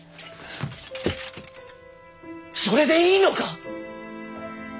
それでいいのか！？